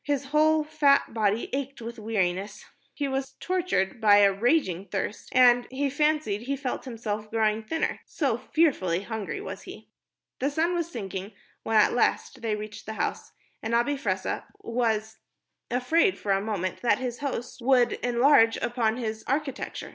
His whole fat body ached with weariness, he was tortured by a raging thirst, and he fancied he felt himself growing thinner so fearfully hungry was he. The sun was sinking when at last they reached the house, and Abi Fressah was afraid for a moment that his host would enlarge upon its architecture.